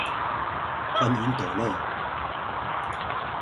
歡迎抖內